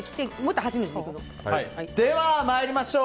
では参りましょう。